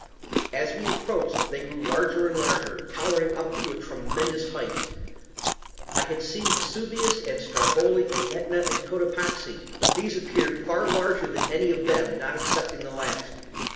As we approached they grew larger and larger, towering up to a tremendous height. I had seen Vesuvius and Stromboli and AEtna and Cotopaxi; but these appeared far larger than any of them, not excepting the last.